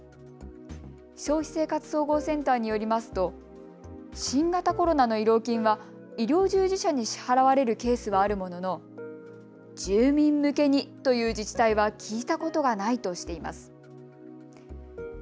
消費生活総合センターによりますと新型コロナの慰労金は医療従事者に支払われるケースはあるものの住民向けにという自治体は聞いたことがないとしています。